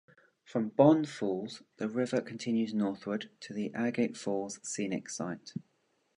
From Bond Falls, the river continues northward to the Agate Falls Scenic Site.